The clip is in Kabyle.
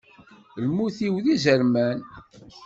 Lmut-iw d izerman.